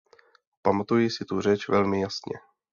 Pamatuji si tu řeč velmi jasně.